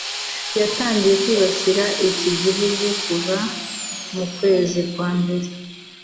yatangiye kwibasira iki gihugu kuva mu kwezi kwa mbere.